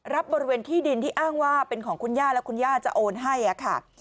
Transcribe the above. บริเวณที่ดินที่อ้างว่าเป็นของคุณย่าแล้วคุณย่าจะโอนให้ค่ะ